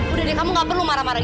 udah deh kamu gak perlu marah marah